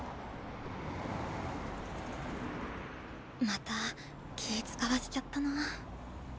また気遣わせちゃったな。